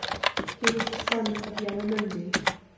He was the son of Yarramundi.